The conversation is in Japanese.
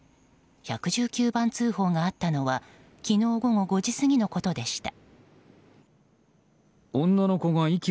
１１９番通報があったのは昨日午後５時過ぎのことでした。